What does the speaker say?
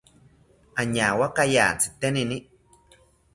Añawakaya tzitenini